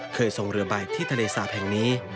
เคยส่งเรือใบที่ทะเลสาปแห่งนี้